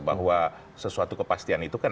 bahwa sesuatu kepastian itu kan